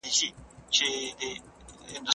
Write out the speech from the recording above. ولي هوډمن سړی د با استعداده کس په پرتله ښه ځلېږي؟